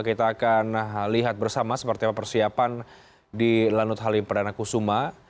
kita akan lihat bersama seperti apa persiapan di lanut halim perdana kusuma